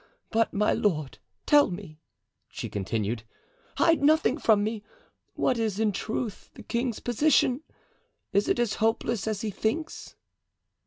But my lord, tell me," she continued, "hide nothing from me—what is, in truth, the king's position? Is it as hopeless as he thinks?"